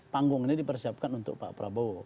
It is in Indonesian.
panggung ini dipersiapkan untuk pak prabowo